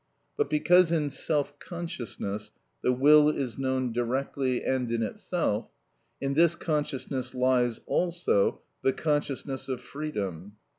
But because in self consciousness the will is known directly and in itself, in this consciousness lies also the consciousness of freedom.